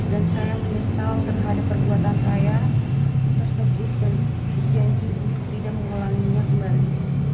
dan saya menyesal terhadap perbuatan saya tersebut dan dijanji untuk tidak mengulanginya kemarin